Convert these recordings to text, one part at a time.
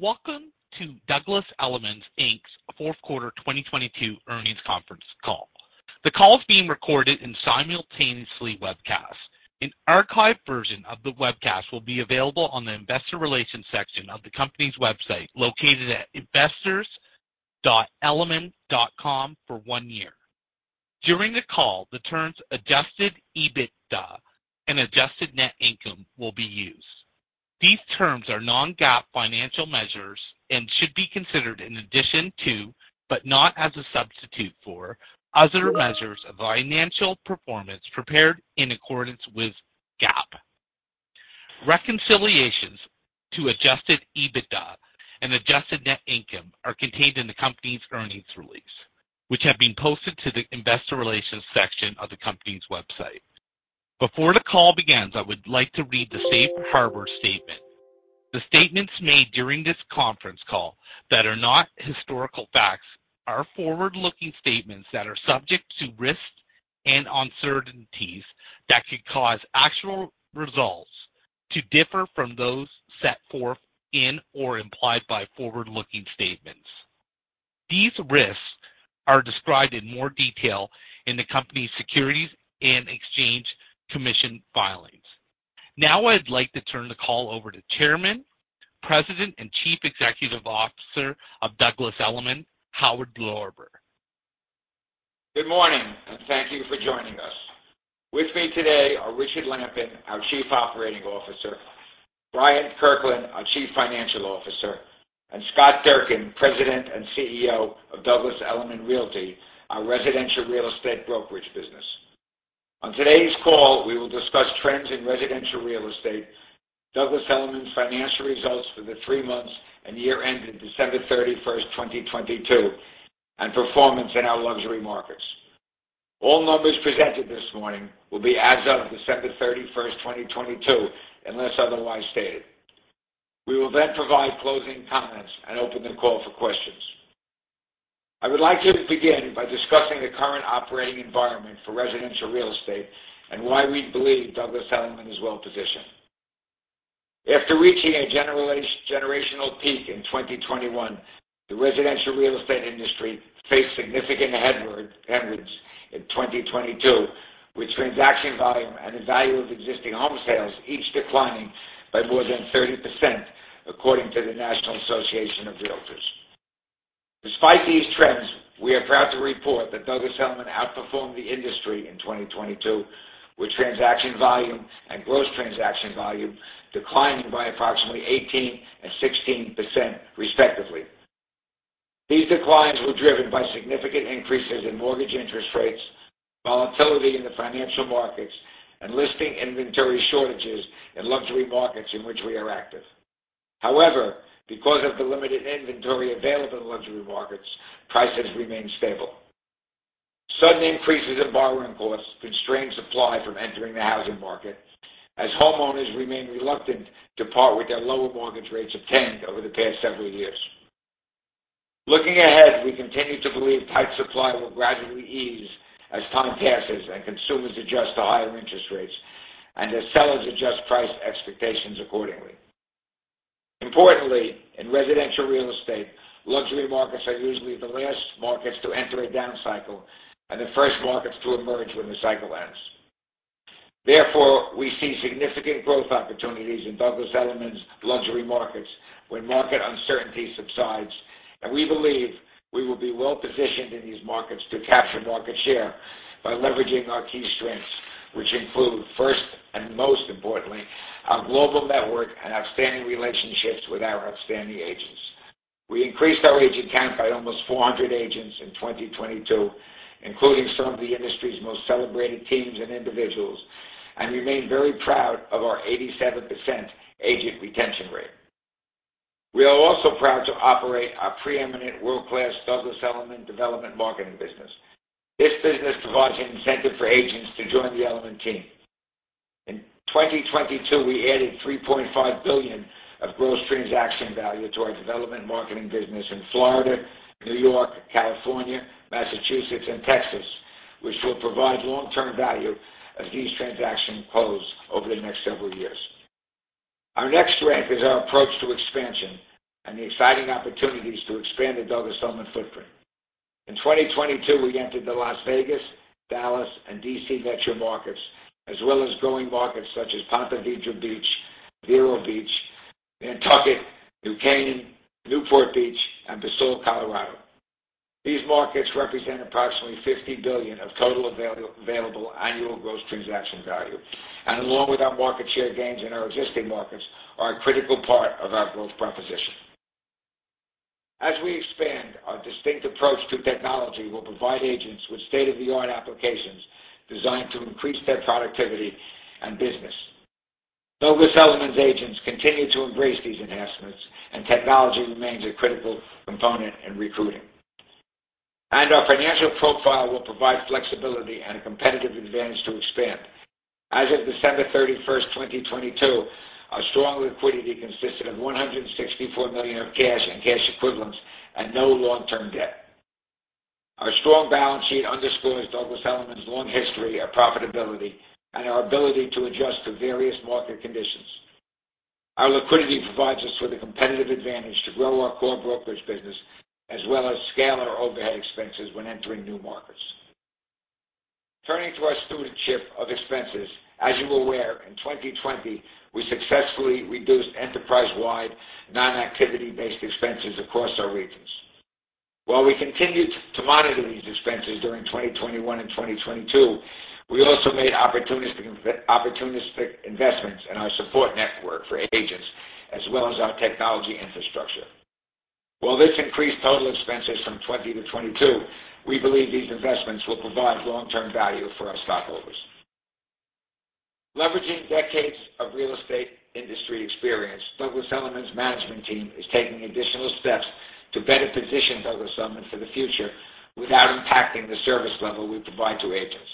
Welcome to Douglas Elliman Inc.'s fourth quarter 2022 earnings conference call. The call is being recorded and simultaneously webcast. An archived version of the webcast will be available on the investor relations section of the company's website located at investors.elliman.com for one year. During the call, the terms adjusted EBITDA and adjusted net income will be used. These terms are non-GAAP financial measures and should be considered in addition to, but not as a substitute for, other measures of financial performance prepared in accordance with GAAP. Reconciliations to adjusted EBITDA and adjusted net income are contained in the company's earnings release, which have been posted to the investor relations section of the company's website. Before the call begins, I would like to read the safe harbor statement. The statements made during this conference call that are not historical facts are forward-looking statements that are subject to risks and uncertainties that could cause actual results to differ from those set forth in or implied by forward-looking statements. These risks are described in more detail in the company's Securities and Exchange Commission filings. Now I'd like to turn the call over to Chairman, President, and Chief Executive Officer of Douglas Elliman, Howard Lorber. Good morning, and thank you for joining us. With me today are Richard Lampen, our Chief Operating Officer, Brian Kirklin, our Chief Financial Officer, and Scott Durkin, President and CEO of Douglas Elliman Realty, our residential real estate brokerage business. On today's call, we will discuss trends in residential real estate, Douglas Elliman's financial results for the three months and year ending December 31, 2022, and performance in our luxury markets. All numbers presented this morning will be as of December 31, 2022, unless otherwise stated. We will then provide closing comments and open the call for questions. I would like to begin by discussing the current operating environment for residential real estate and why we believe Douglas Elliman is well-positioned. After reaching a generational peak in 2021, the residential real estate industry faced significant headwinds in 2022, with transaction volume and the value of existing home sales each declining by more than 30% according to the National Association of REALTORS. Despite these trends, we are proud to report that Douglas Elliman outperformed the industry in 2022, with transaction volume and gross transaction volume declining by approximately 18% and 16%, respectively. These declines were driven by significant increases in mortgage interest rates, volatility in the financial markets, and listing inventory shortages in luxury markets in which we are active. Because of the limited inventory available in luxury markets, prices remained stable. Sudden increases in borrowing costs constrained supply from entering the housing market as homeowners remained reluctant to part with their lower mortgage rates obtained over the past several years. Looking ahead, we continue to believe tight supply will gradually ease as time passes and consumers adjust to higher interest rates and as sellers adjust price expectations accordingly. Importantly, in residential real estate, luxury markets are usually the last markets to enter a down cycle and the first markets to emerge when the cycle ends. Therefore, we see significant growth opportunities in Douglas Elliman's luxury markets when market uncertainty subsides. We believe we will be well-positioned in these markets to capture market share by leveraging our key strengths, which include, first and most importantly, our global network and outstanding relationships with our outstanding agents. We increased our agent count by almost 400 agents in 2022, including some of the industry's most celebrated teams and individuals. We remain very proud of our 87% agent retention rate. We are also proud to operate our preeminent world-class Douglas Elliman Development Marketing business. This business provides an incentive for agents to join the Elliman team. In 2022, we added $3.5 billion of gross transaction value to our development marketing business in Florida, New York, California, Massachusetts, and Texas, which will provide long-term value as these transactions close over the next several years. Our next strength is our approach to expansion and the exciting opportunities to expand the Douglas Elliman footprint. In 2022, we entered the Las Vegas, Dallas, and D.C. metro markets, as well as growing markets such as Ponte Vedra Beach, Vero Beach, Nantucket, New Canaan, Newport Beach, and Basalt, Colorado. These markets represent approximately $50 billion of total available annual gross transaction value and along with our market share gains in our existing markets are a critical part of our growth proposition. As we expand, our distinct approach to technology will provide agents with state-of-the-art applications designed to increase their productivity and business. Douglas Elliman's agents continue to embrace these enhancements. Technology remains a critical component in recruiting. Our financial profile will provide flexibility and a competitive advantage to expand. As of December 31, 2022, our strong liquidity consisted of $164 million of cash and cash equivalents and no long-term debt. Our strong balance sheet underscores Douglas Elliman's long history of profitability and our ability to adjust to various market conditions. Our liquidity provides us with a competitive advantage to grow our core brokerage business as well as scale our overhead expenses when entering new markets. Turning to our stewardship of expenses. As you are aware, in 2020, we successfully reduced enterprise-wide non-activity-based expenses across our regions. While we continued to monitor these expenses during 2021 and 2022, we also made opportunistic investments in our support network for agents as well as our technology infrastructure. While this increased total expenses from 2020 to 2022, we believe these investments will provide long-term value for our stockholders. Leveraging decades of real estate industry experience, Douglas Elliman's management team is taking additional steps to better position Douglas Elliman for the future without impacting the service level we provide to agents.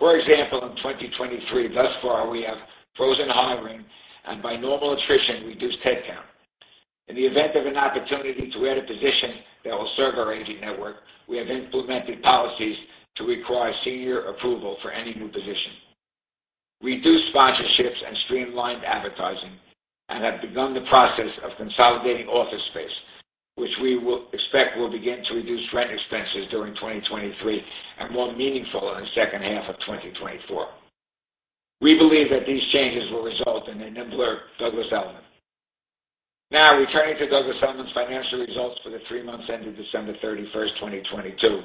For example, in 2023 thus far, we have frozen hiring and by normal attrition, reduced headcount. In the event of an opportunity to add a position that will serve our agent network, we have implemented policies to require senior approval for any new position. Reduced sponsorships and streamlined advertising, and have begun the process of consolidating office space, which we expect will begin to reduce rent expenses during 2023 and more meaningful in the second half of 2024. We believe that these changes will result in a nimbler Douglas Elliman. Returning to Douglas Elliman's financial results for the three months ended December 31st, 2022.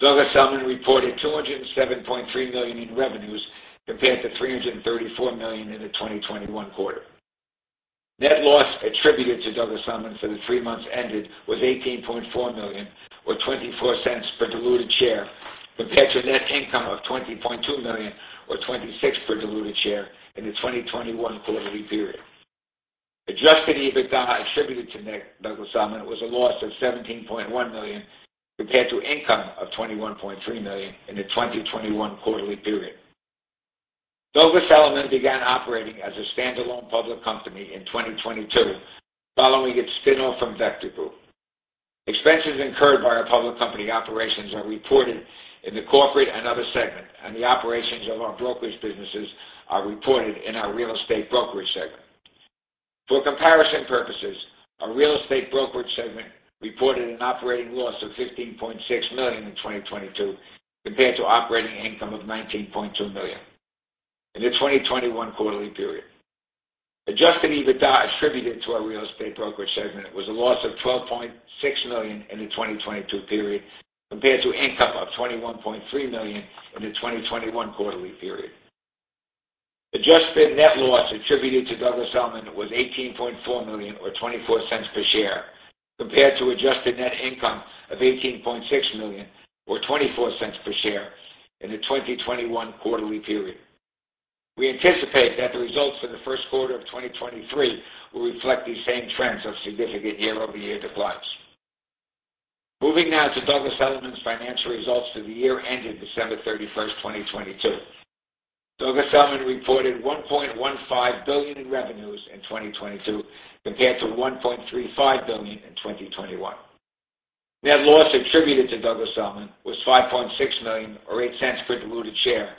Douglas Elliman reported $207.3 million in revenues compared to $334 million in the 2021 quarter. Net loss attributed to Douglas Elliman for the three months ended was $18.4 million or $0.24 per diluted share compared to net income of $20.2 million or $0.26 per diluted share in the 2021 quarterly period. Adjusted EBITDA attributed to Douglas Elliman was a loss of $17.1 million compared to income of $21.3 million in the 2021 quarterly period. Douglas Elliman began operating as a standalone public company in 2022 following its spin off from Vector Group. Expenses incurred by our public company operations are reported in the corporate and other segment, and the operations of our brokerage businesses are reported in our real estate brokerage segment. For comparison purposes, our real estate brokerage segment reported an operating loss of $15.6 million in 2022 compared to operating income of $19.2 million in the 2021 quarterly period. Adjusted EBITDA attributed to our real estate brokerage segment was a loss of $12.6 million in the 2022 period, compared to income of $21.3 million in the 2021 quarterly period. Adjusted net loss attributed to Douglas Elliman was $18.4 million or $0.24 per share, compared to adjusted net income of $18.6 million or $0.24 per share in the 2021 quarterly period. We anticipate that the results for the first quarter of 2023 will reflect these same trends of significant year-over-year declines. Moving now to Douglas Elliman's financial results for the year ended December 31st, 2022. Douglas Elliman reported $1.15 billion in revenues in 2022 compared to $1.35 billion in 2021. Net loss attributed to Douglas Elliman was $5.6 million or $0.08 per diluted share,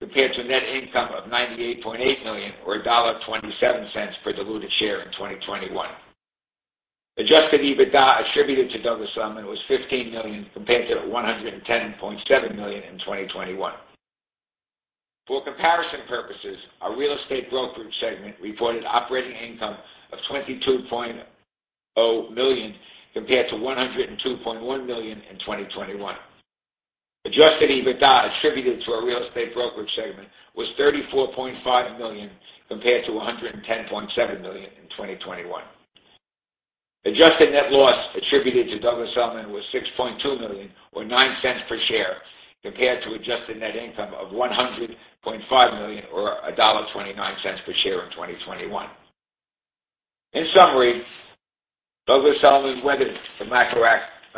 compared to net income of $98.8 million or $1.27 per diluted share in 2021. Adjusted EBITDA attributed to Douglas Elliman was $15 million compared to $110.7 million in 2021. For comparison purposes, our real estate brokerage segment reported operating income of $22.0 million compared to $102.1 million in 2021. Adjusted EBITDA attributed to our real estate brokerage segment was $34.5 million compared to $110.7 million in 2021. Adjusted net loss attributed to Douglas Elliman was $6.2 million or $0.09 per share compared to adjusted net income of $100.5 million or $1.29 per share in 2021. In summary, Douglas Elliman weathered the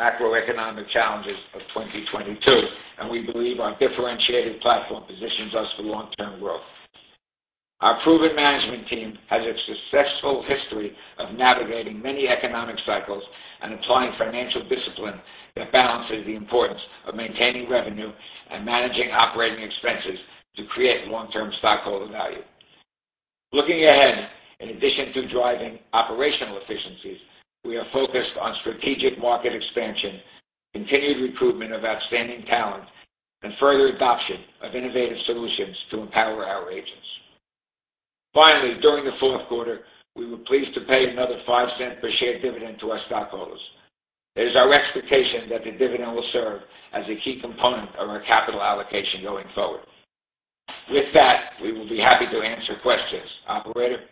macroeconomic challenges of 2022, we believe our differentiated platform positions us for long-term growth. Our proven management team has a successful history of navigating many economic cycles and applying financial discipline that balances the importance of maintaining revenue and managing operating expenses to create long-term stockholder value. Looking ahead, in addition to driving operational efficiencies, we are focused on strategic market expansion, continued recruitment of outstanding talent, and further adoption of innovative solutions to empower our agents. During the fourth quarter, we were pleased to pay another $0.05 per share dividend to our stockholders. It is our expectation that the dividend will serve as a key component of our capital allocation going forward. With that, we will be happy to answer questions. Operator?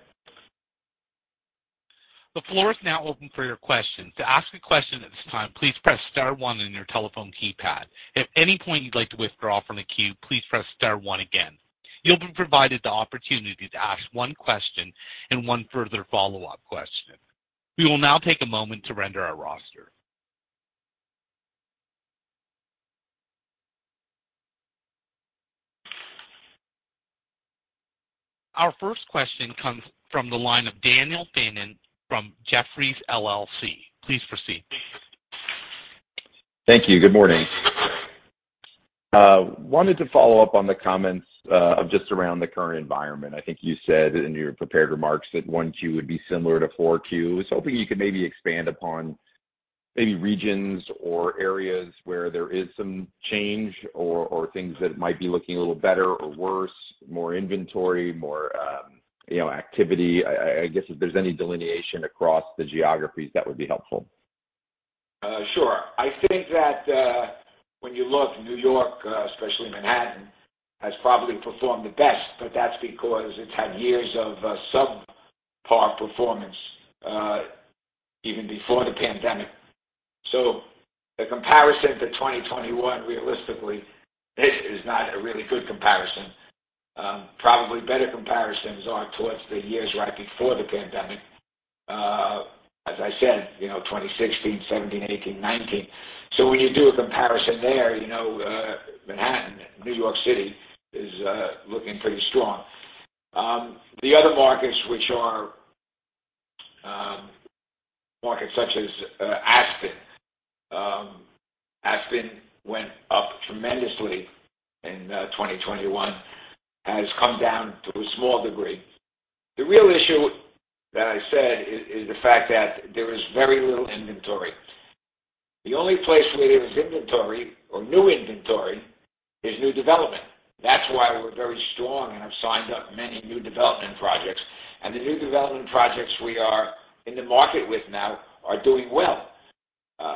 The floor is now open for your questions. To ask a question at this time, please press star one on your telephone keypad. If at any point you'd like to withdraw from the queue, please press star one again. You'll be provided the opportunity to ask one question and one further follow-up question. We will now take a moment to render our roster. Our first question comes from the line of Daniel Fannon from Jefferies LLC. Please proceed. Thank you. Good morning. wanted to follow up on the comments, of just around the current environment. I think you said in your prepared remarks that 1Q would be similar to 4Q. Hoping you could maybe expand upon maybe regions or areas where there is some change or things that might be looking a little better or worse, more inventory, more, you know, activity. I guess if there's any delineation across the geographies, that would be helpful. Sure. I think that, when you look New York, especially Manhattan, has probably performed the best, but that's because it's had years of subpar performance, even before the pandemic. The comparison to 2021, realistically, is not a really good comparison. Probably better comparisons are towards the years right before the pandemic, as I said, you know, 2016, 2017, 2018, 2019. When you do a comparison there, you know, Manhattan, New York City is looking pretty strong. The other markets which are, markets such as, Aspen. Aspen went up tremendously in, 2021, has come down to a small degree. The real issue that I said is the fact that there is very little inventory. The only place where there is inventory or new inventory is new development. That's why we're very strong, and I've signed up many new development projects. The new development projects we are in the market with now are doing well.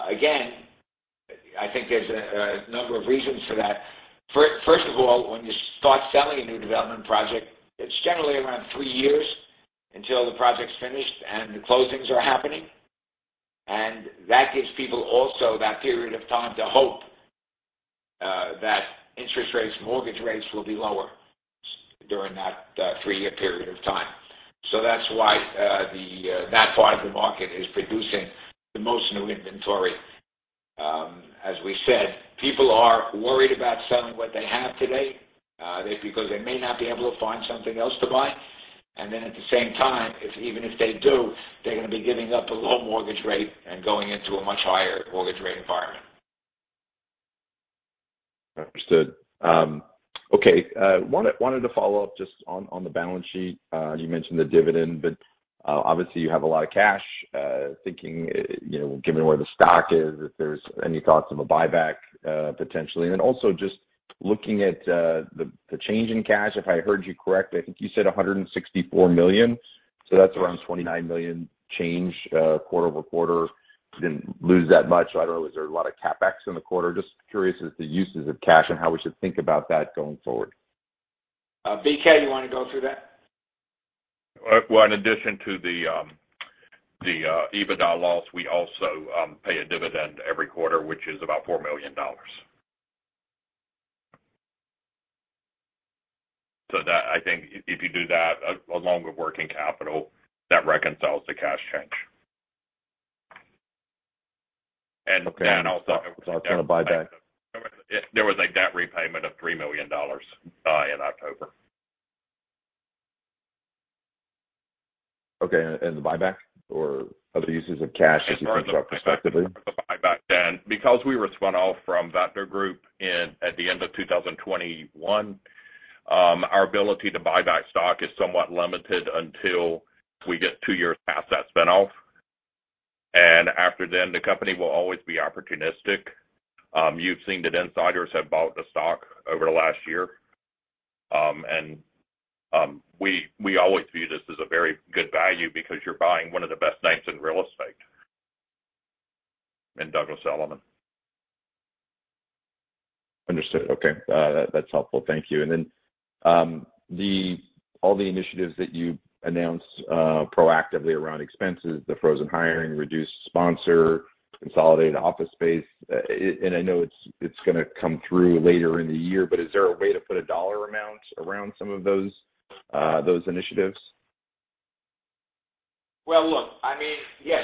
Again, I think there's a number of reasons for that. First of all, when you start selling a new development project, it's generally around 3 years until the project's finished and the closings are happening. That gives people also that period of time to hope that interest rates, mortgage rates will be lower during that 3-year period of time. That's why the that part of the market is producing the most new inventory. As we said, people are worried about selling what they have today, because they may not be able to find something else to buy. At the same time, if even if they do, they're gonna be giving up a low mortgage rate and going into a much higher mortgage rate environment. Understood. Okay. Wanted to follow up just on the balance sheet. You mentioned the dividend, but, obviously you have a lot of cash. Thinking, you know, given where the stock is, if there's any thoughts of a buyback, potentially. Also just looking at the change in cash, if I heard you correctly, I think you said $164 million. That's around $29 million change, quarter-over-quarter. You didn't lose that much. I don't know, is there a lot of CapEx in the quarter? Just curious as the uses of cash and how we should think about that going forward. BK, you wanna go through that? Well, in addition to the EBITDA loss, we also pay a dividend every quarter, which is about $4 million. I think if you do that along with working capital, that reconciles the cash change. Okay. It's not a buyback. There was a debt repayment of $3 million in October. Okay. The buyback or other uses of cash as you think about prospectively? As far as the buyback, Dan, because we were spun off from Vector Group at the end of 2021, our ability to buy back stock is somewhat limited until we get two years past that spin-off. After then, the company will always be opportunistic. You've seen that insiders have bought the stock over the last year. We always view this as a very good value because you're buying one of the best names in real estate in Douglas Elliman. Understood. Okay. That's helpful. Thank you. All the initiatives that you announced proactively around expenses, the frozen hiring, reduced sponsor, consolidated office space, I know it's gonna come through later in the year, but is there a way to put a dollar amount around some of those initiatives? Well, look, I mean, yes,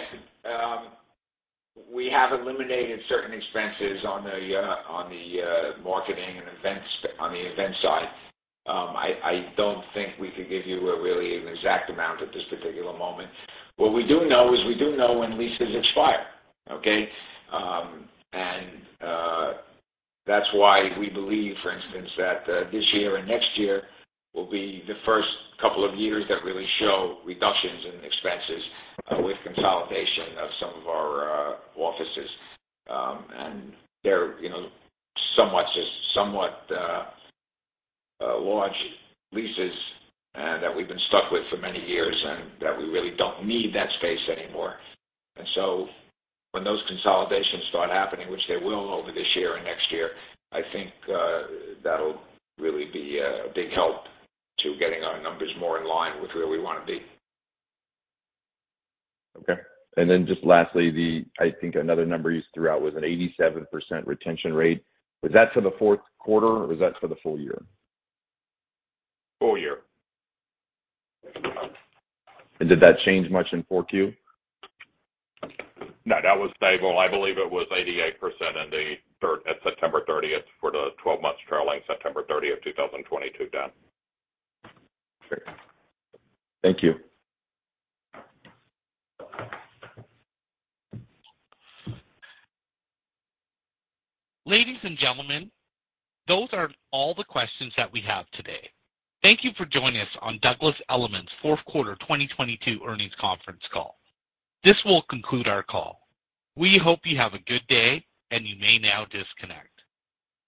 we have eliminated certain expenses on the event side. I don't think we could give you a really an exact amount at this particular moment. What we do know is we do know when leases expire, okay? That's why we believe, for instance, that this year and next year will be the first couple of years that really show reductions in expenses with consolidation of some of our offices. They're, you know, somewhat, just somewhat, large leases that we've been stuck with for many years and that we really don't need that space anymore. When those consolidations start happening, which they will over this year and next year, I think, that'll really be a big help to getting our numbers more in line with where we wanna be. Okay. Then just lastly, I think another number you threw out was an 87% retention rate. Was that for the fourth quarter, or was that for the full year? Full year. Did that change much in 4Q? No, that was stable. I believe it was 88% at September 30th for the 12 months trailing September 30th, 2022, Dan. Great. Thank you. Ladies and gentlemen, those are all the questions that we have today. Thank you for joining us on Douglas Elliman's fourth quarter 2022 earnings conference call. This will conclude our call. We hope you have a good day, and you may now disconnect.